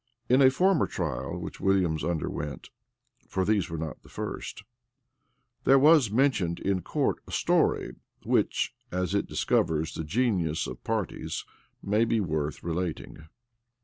In a former trial which Williams underwent,[] (for these were not the first,) there was mentioned in court a story, which, as it discovers the genius of parties, may be worth relating.